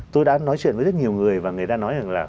tôi đã nói chuyện với rất nhiều người và người ta nói rằng là